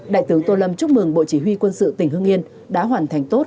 đại tướng tô lâm chúc mừng bộ chỉ huy quân sự tỉnh hương yên đã hoàn thành tốt